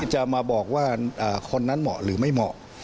จะมาบอกว่าคนนั้นเหมาะหรือไม่เหมาะ